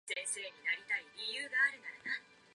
次の日、彼はいなくなっていた